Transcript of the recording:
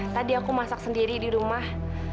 tadi aku masak sendiri di rumah